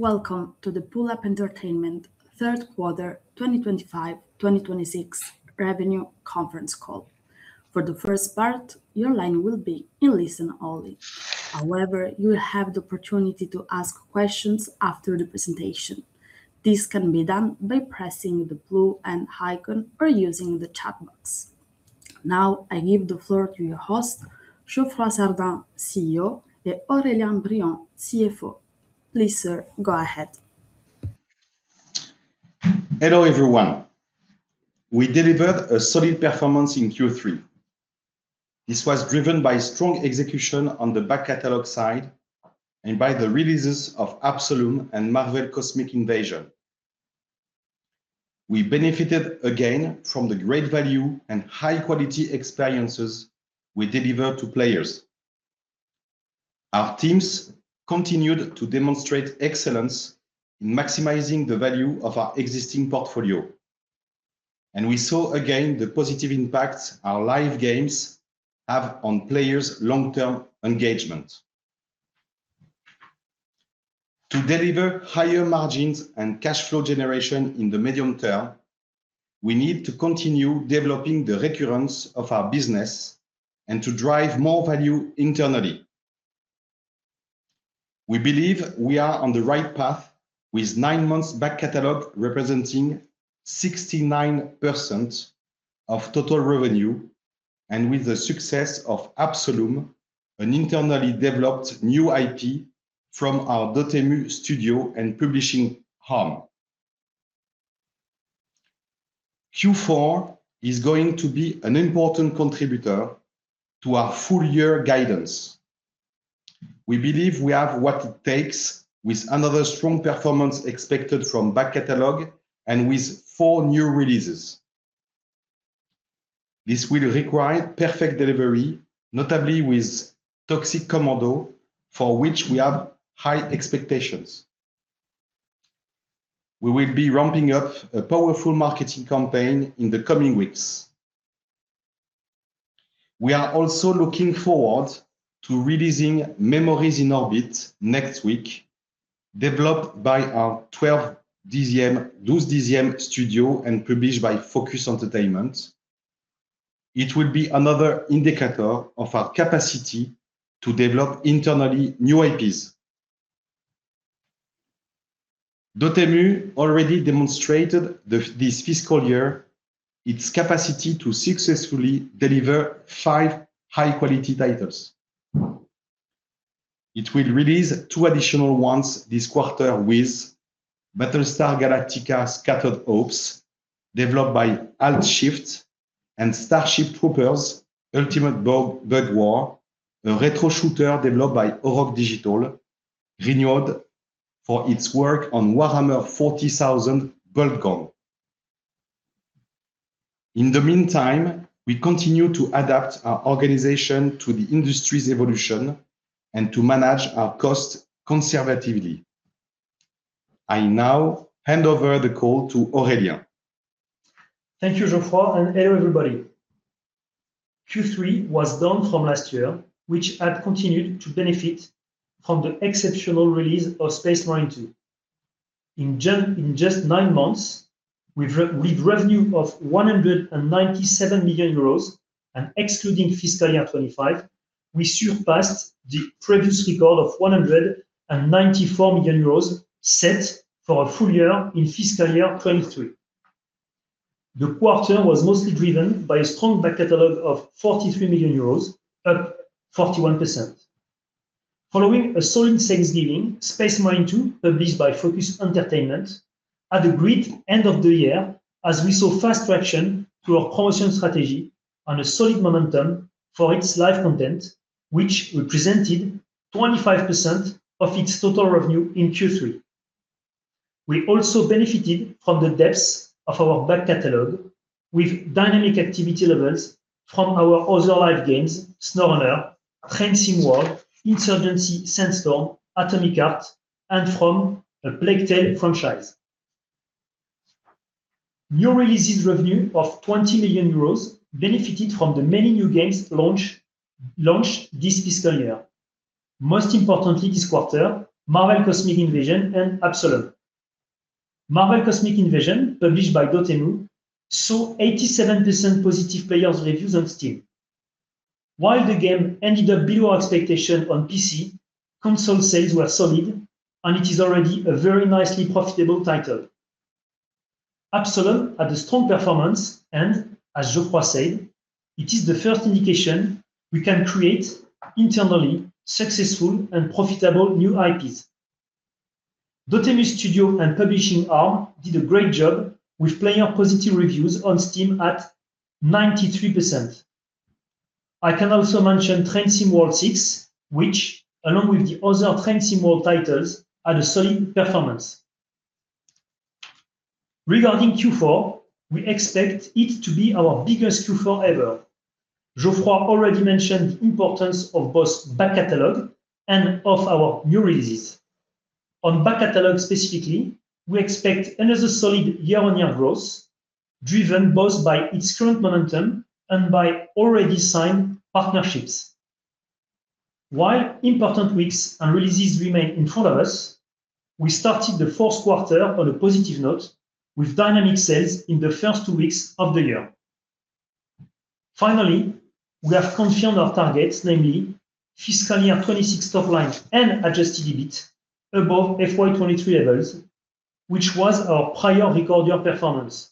Welcome to the Pullup Entertainment Third Quarter 2025-2026 Revenue Conference Call. For the first part, your line will be in listen only. However, you will have the opportunity to ask questions after the presentation. This can be done by pressing the blue hand icon or using the chat box. Now, I give the floor to your host, Geoffroy Sardin, CEO, and Aurélien Briand, CFO. Please, sir, go ahead. Hello everyone. We delivered a solid performance in Q3. This was driven by strong execution on the back catalog side and by the releases of Absolum and Marvel Cosmic Invasion. We benefited again from the great value and high-quality experiences we delivered to players. Our teams continued to demonstrate excellence in maximizing the value of our existing portfolio, and we saw again the positive impact our live games have on players' long-term engagement. To deliver higher margins and cash flow generation in the medium term, we need to continue developing the recurrence of our business and to drive more value internally. We believe we are on the right path, with nine months back catalog representing 69% of total revenue and with the success of Absolum, an internally developed new IP from our Dotemu Studio and Publishing Home. Q4 is going to be an important contributor to our full-year guidance. We believe we have what it takes, with another strong performance expected from back catalog and with four new releases. This will require perfect delivery, notably with Toxic Commando, for which we have high expectations. We will be ramping up a powerful marketing campaign in the coming weeks. We are also looking forward to releasing MIO: Memories in Orbit next week, developed by our 12th DCM Studio and published by Focus Entertainment. It will be another indicator of our capacity to develop internally new IPs. Dotemu already demonstrated this fiscal year its capacity to successfully deliver five high-quality titles. It will release two additional ones this quarter with Battlestar Galactica: Scattered Hopes, developed by Alt Shift, and Starship Troopers: Ultimate Bug War, a retro shooter developed by Auroch Digital, renowned for its work on Warhammer 40,000: Boltgun. In the meantime, we continue to adapt our organization to the industry's evolution and to manage our costs conservatively. I now hand over the call to Aurélien. Thank you, Geoffroy, and hello everybody. Q3 was down from last year, which had continued to benefit from the exceptional release of Space Marine 2. In just nine months, with revenue of 197 million euros and excluding fiscal year 2025, we surpassed the previous record of 194 million euros set for a full year in fiscal year 2023. The quarter was mostly driven by a strong back catalog of 43 million euros, up 41%. Following a solid Thanksgiving, Space Marine 2, published by Focus Entertainment, had a great end of the year as we saw fast traction to our promotion strategy and a solid momentum for its live content, which represented 25% of its total revenue in Q3. We also benefited from the depths of our back catalog with dynamic activity levels from our other live games, SnowRunner, Train Sim World, Insurgency: Sandstorm, Atomic Heart, and from A Plague Tale franchise. New releases revenue of 20 million euros benefited from the many new games launched this fiscal year, most importantly this quarter, Marvel Cosmic Invasion and Absolum. Marvel Cosmic Invasion, published by Dotemu, saw 87% positive players' reviews on Steam. While the game ended up below expectations on PC, console sales were solid, and it is already a very nicely profitable title. Absolum had a strong performance and, as Geoffroy said, it is the first indication we can create internally successful and profitable new IPs. Dotemu Studio and Publishing Arm did a great job with player-positive reviews on Steam at 93%. I can also mention Train Sim World 6, which, along with the other Train Sim World titles, had a solid performance. Regarding Q4, we expect it to be our biggest Q4 ever. Geoffroy already mentioned the importance of both back catalog, and of our new releases. On back catalog specifically, we expect another solid year-on-year growth, driven both by its current momentum and by already signed partnerships. While important weeks and releases remain in front of us, we started the fourth quarter on a positive note with dynamic sales in the first two weeks of the year. Finally, we have confirmed our targets, namely fiscal year 2026 top line and adjusted EBIT above FY2023 levels, which was our prior record year performance.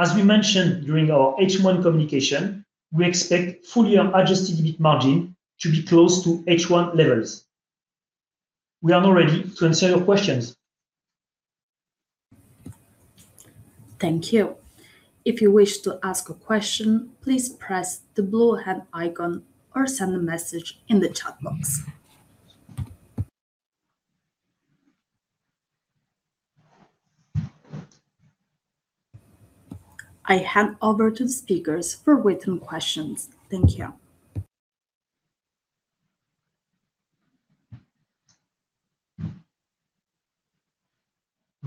As we mentioned during our H1 communication, we expect full-year adjusted EBIT margin to be close to H1 levels. We are now ready to answer your questions. Thank you. If you wish to ask a question, please press the blue hand icon or send a message in the chat box. I hand over to the speakers for written questions. Thank you.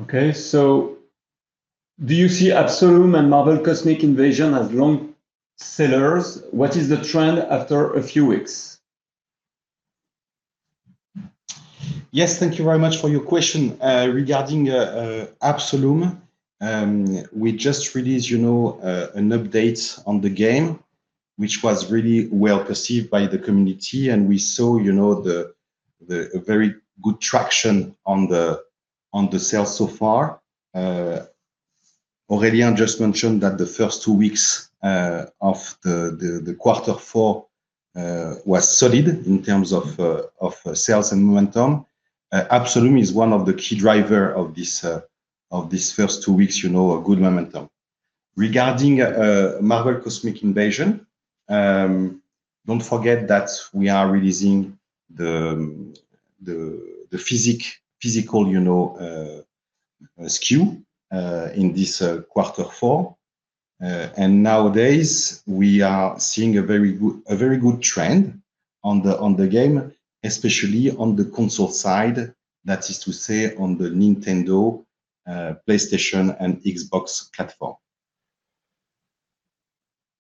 Okay, so do you see Absolum and Marvel Cosmic Invasion as long sellers? What is the trend after a few weeks? Yes, thank you very much for your question regarding Absolum. We just released, you know, an update on the game, which was really well perceived by the community, and we saw, you know, the very good traction on the sales so far. Aurélien just mentioned that the first two weeks of the quarter four were solid in terms of sales and momentum. Absolum is one of the key drivers of these first two weeks, you know, a good momentum. Regarding Marvel Cosmic Invasion, don't forget that we are releasing the physical, you know, SKU in this quarter four, and nowadays, we are seeing a very good trend on the game, especially on the console side, that is to say on the Nintendo, PlayStation, and Xbox platform.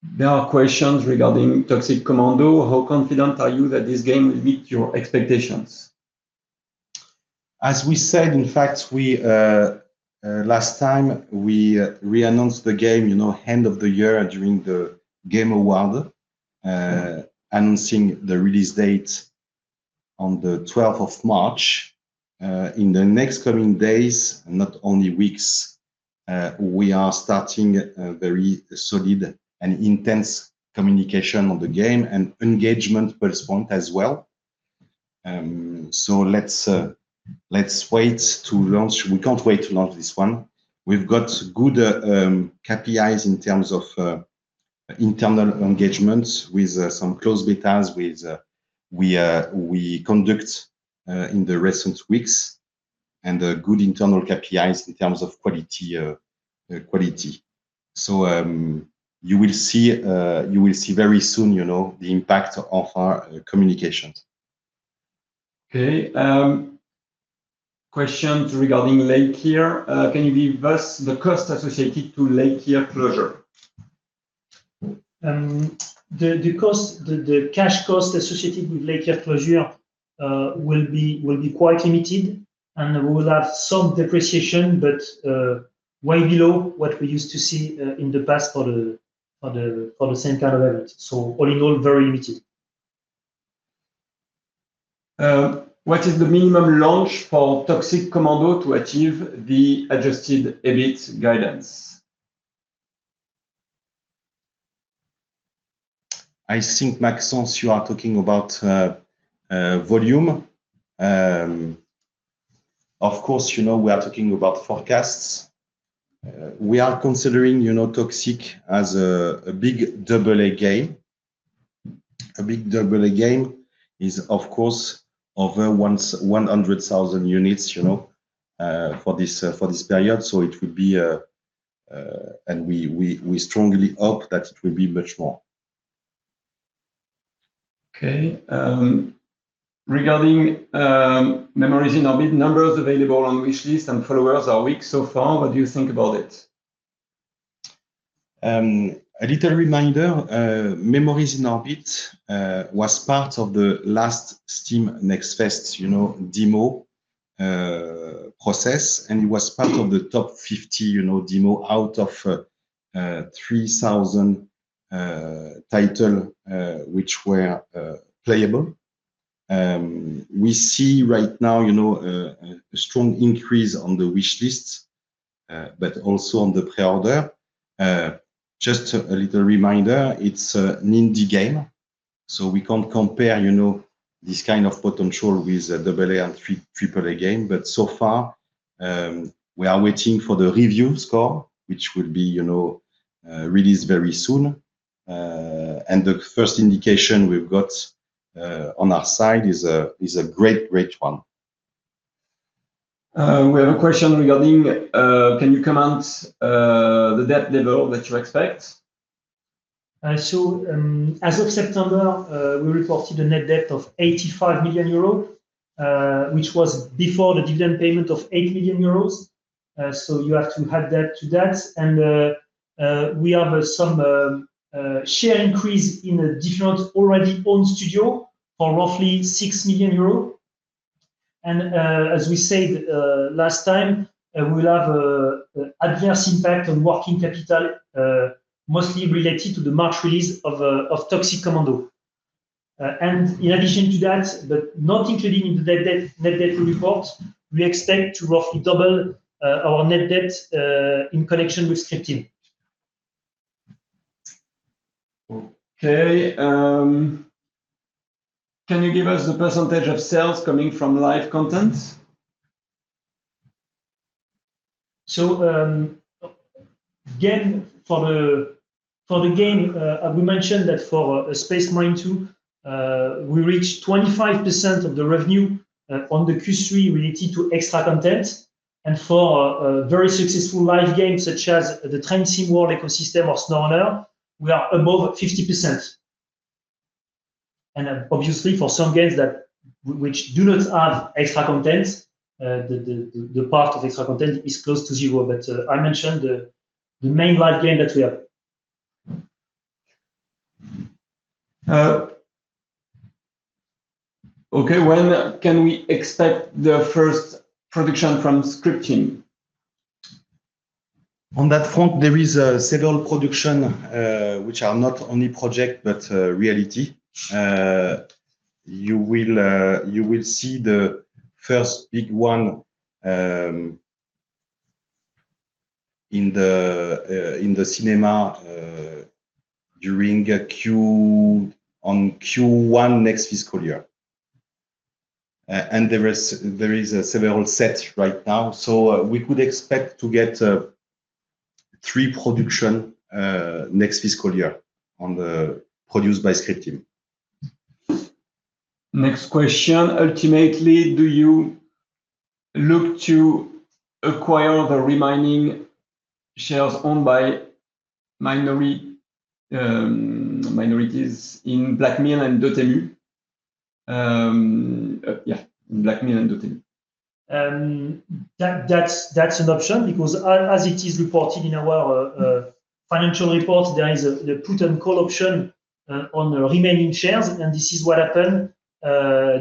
There are questions regarding Toxic Commando. How confident are you that this game will meet your expectations? As we said, in fact, last time we re-announced the game, you know, Game of the Year during the Game Awards, announcing the release date on the 12th of March. In the next coming days, not only weeks, we are starting very solid and intense communication on the game and engagement per sponsor as well. So let's wait to launch. We can't wait to launch this one. We've got good KPIs in terms of internal engagement with some closed betas we conducted in the recent weeks and good internal KPIs in terms of quality. So you will see very soon, you know, the impact of our communications. Okay. Questions regarding Leikir Studio. Can you give us the cost associated to Leikir Studio closure? The cash cost associated with Leikir closure will be quite limited, and we will have some depreciation, but way below what we used to see in the past for the same kind of event. So all in all, very limited. What is the minimum launch for Toxic Commando to achieve the adjusted EBIT guidance? I think, Maxence, you are talking about volume. Of course, you know, we are talking about forecasts. We are considering, you know, Toxic as a big AA game. A big AA game is, of course, over 100,000 units, you know, for this period. So it would be, and we strongly hope that it will be much more. Okay. Regarding Memories in Orbit, numbers available on wishlist and followers are weak so far. What do you think about it? A little reminder, Memories in Orbit was part of the last Steam Next Fest, you know, demo process, and it was part of the top 50, you know, demo out of 3,000 titles which were playable. We see right now, you know, a strong increase on the wishlist, but also on the pre-order. Just a little reminder, it's an indie game, so we can't compare, you know, this kind of potential with AA and AAA game. But so far, we are waiting for the review score, which will be, you know, released very soon. And the first indication we've got on our side is a great, great one. We have a question regarding, can you comment on the debt level that you expect? So as of September, we reported a net debt of 85 million euros, which was before the dividend payment of 8 million euros. So you have to add that to that. And we have some share increase in a different already owned studio for roughly 6 million euros. And as we said last time, we'll have an adverse impact on working capital, mostly related to the March release of Toxic Commando. And in addition to that, but not including in the net debt report, we expect to roughly double our net debt in connection with Scrippteam. Okay. Can you give us the percentage of sales coming from live content? Again, for the game, we mentioned that for Space Marine 2, we reached 25% of the revenue on the Q3 related to extra content. For a very successful live game such as the Train Sim World ecosystem or SnowRunner, we are above 50%. Obviously, for some games which do not have extra content, the part of extra content is close to zero, but I mentioned the main live game that we have. Okay. When can we expect the first production from Scrippteam? On that front, there are several productions which are not only projects but reality. You will see the first big one in the cinema during Q1 next fiscal year, and there are several sets right now, so we could expect to get three productions next fiscal year produced by Scripteam. Next question. Ultimately, do you look to acquire the remaining shares owned by minorities in BlackMill and Dotemu? Yeah, in BlackMill and Dotemu. That's an option because as it is reported in our financial report, there is a put and call option on remaining shares, and this is what happened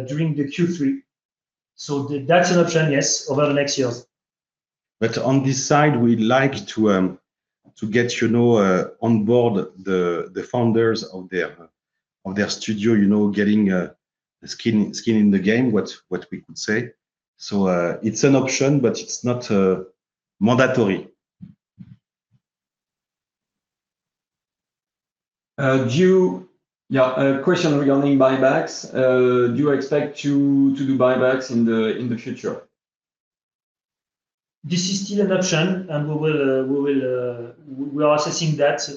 during the Q3. So that's an option, yes, over the next years. But on this side, we'd like to get, you know, on board the founders of their studio, you know, getting a skin in the game, what we could say. So it's an option, but it's not mandatory. Yeah, a question regarding buybacks. Do you expect to do buybacks in the future? This is still an option, and we are assessing that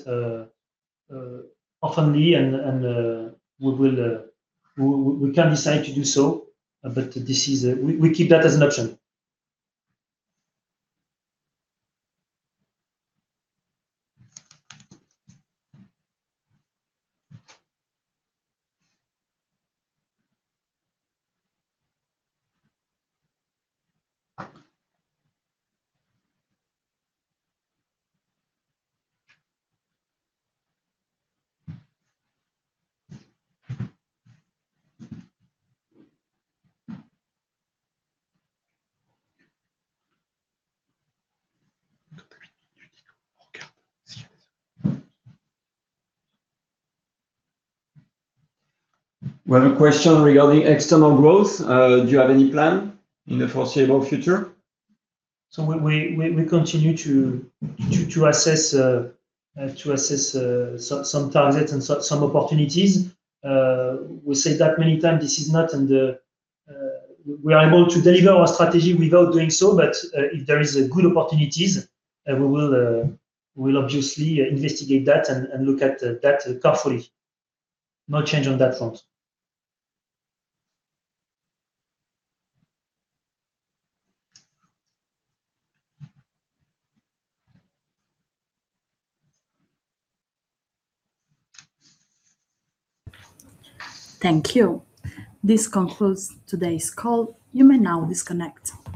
openly, and we can decide to do so, but we keep that as an option. We have a question regarding external growth. Do you have any plan in the foreseeable future? So we continue to assess some targets and some opportunities. We said that many times, this is not, and we are able to deliver our strategy without doing so, but if there are good opportunities, we will obviously investigate that and look at that carefully. No change on that front. Thank you. This concludes today's call. You may now disconnect.